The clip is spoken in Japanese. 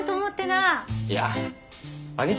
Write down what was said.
いや兄貴